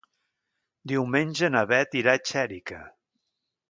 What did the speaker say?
Diumenge na Beth irà a Xèrica.